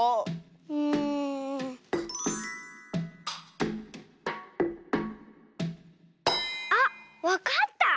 うん。あっわかった！